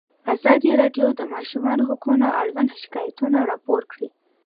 ازادي راډیو د د ماشومانو حقونه اړوند شکایتونه راپور کړي.